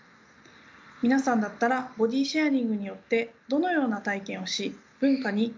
皆さんだったらボディシェアリングによってどのような体験をし文化にどのような影響を与え